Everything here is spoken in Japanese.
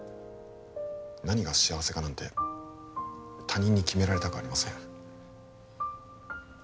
何が幸せかなんて他人に決められたくありません